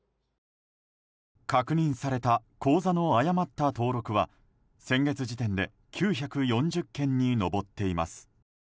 確認された口座の誤った登録は先月時点で９４０件に上っています。